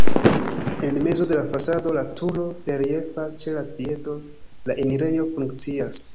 En mezo de la fasado la turo reliefas, ĉe la piedo la enirejo funkcias.